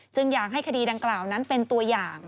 อยากให้คดีดังกล่าวนั้นเป็นตัวอย่าง